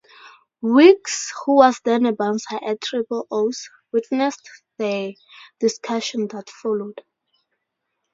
Weeks, who was then a bouncer at Triple O's, witnessed the discussion that followed.